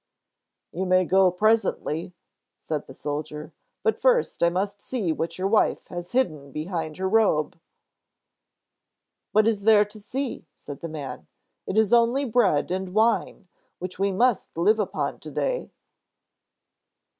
"You may go presently," said the soldier, "but first I must see what your wife has hidden behind her robe." "What is there to see?" said the man. "It is only bread and wine, which we must live upon to day."